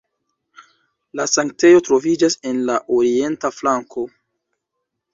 La sanktejo troviĝas en la orienta flanko.